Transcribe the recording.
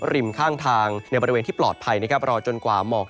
ริมข้างทางในบริเวณที่ปลอดภัยรอจนกว่าหมอก